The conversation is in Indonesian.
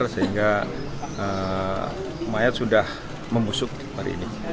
sehingga mayat sudah membusuk hari ini